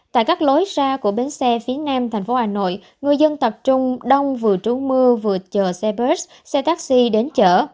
tại các lối ra của bến xe phía nam thành phố hà nội người dân tập trung đông vừa trú mưa vừa chờ xe bus xe taxi đến chở